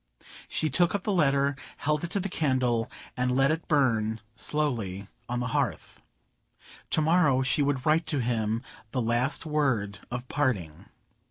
She took up the letter, held it to the candle, and let it burn slowly on the hearth. To morrow she would write to him the last word of parting.